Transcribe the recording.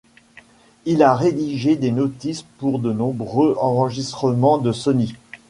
Il a rédigé des notices pour de nombreux enregistrements de Sony.